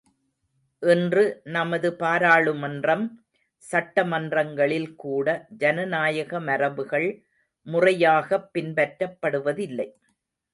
இன்று நமது பாராளுமன்றம், சட்டமன்றங்களில் கூட ஜனநாயக மரபுகள் முறையாகப் பின்பற்றப்படுவதில்லை.